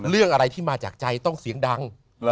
เรื่องอะไรที่มาจากใจต้องเสียงดัง